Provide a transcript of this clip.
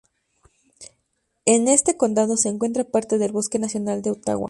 En este condado se encuentra parte del bosque nacional de "Ottawa".